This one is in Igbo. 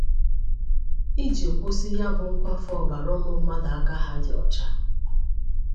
iji kwụsị ya bụ nkwafu ọbara ụmụ mmadụ aka ha dị ọcha